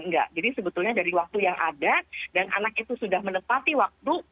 enggak jadi sebetulnya dari waktu yang ada dan anak itu sudah menepati waktu